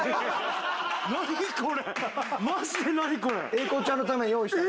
英孝ちゃんのために用意した。